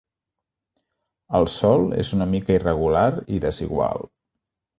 El sòl és una mica irregular i desigual.